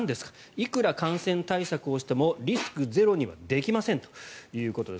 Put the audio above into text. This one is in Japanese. いくら感染対策をしてもリスクゼロにはできませんということです。